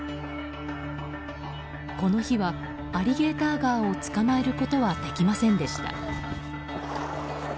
この日は、アリゲーターガーを捕まえることはできませんでした。